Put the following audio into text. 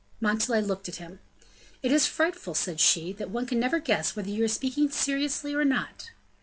Montalais looked at him. "It is frightful," said she, "that one can never guess whether you are speaking seriously or not."